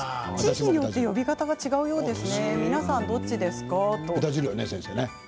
地域によって呼び方が違うようですね。